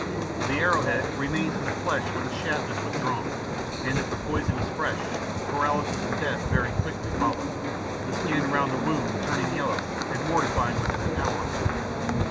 The arrow head remains in the flesh when the shaft is withdrawn, and if the poison is fresh, paralysis and death very quickly follow, the skin round the wound turning yellow and mortifying within an hour or two.